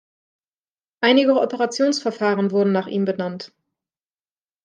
Einige Operationsverfahren wurden nach ihm benannt.